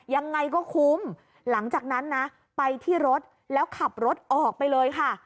ยังไงก็คุ้มหลังจากนั้นนะไปที่รถแล้วขับรถออกไปเลยค่ะ